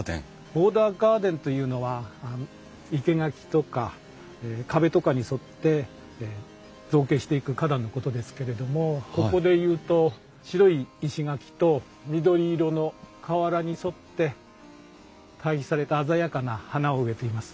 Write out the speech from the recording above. ボーダーガーデンというのは生け垣とか壁とかに沿って造形していく花壇のことですけれどもここでいうと白い石垣と緑色の瓦に沿って対比された鮮やかな花を植えています。